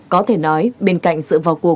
có thể nói bên cạnh sự vọc tài sản